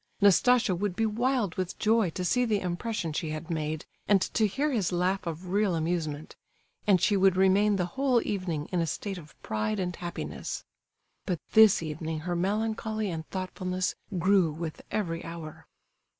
Nastasia would be wild with joy to see the impression she had made, and to hear his laugh of real amusement; and she would remain the whole evening in a state of pride and happiness. But this evening her melancholy and thoughtfulness grew with every hour.